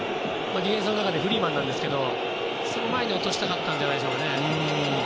ディフェンスの中でのフリーマンなんですけどその前に落としたかったんじゃないでしょうかね。